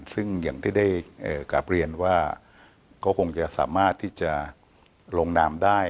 ซึ่งอย่างที่ได้กลับเรียนว่าเขาคงจะสามารถที่จะลงนามได้